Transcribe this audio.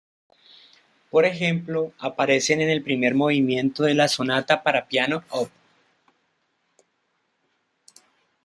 Por ejemplo, aparecen en el primer movimiento de la "Sonata para piano op.